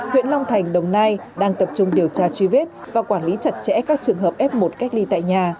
huyện long thành đồng nai đang tập trung điều tra truy vết và quản lý chặt chẽ các trường hợp f một cách ly tại nhà